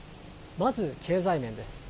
まず経済面です。